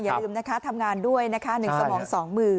อย่าลืมนะคะทำงานด้วยนะคะ๑สมอง๒มือ